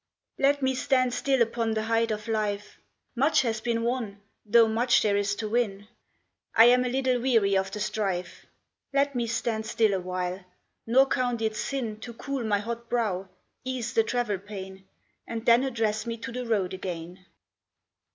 ET me stand still upon the height of life ; Much has been won, though much there is to win. I am a little weary of the strife ; Let me stand still awhile, nor count it sin To cool my hot brow, ease the travel pain, And then address me to the road again.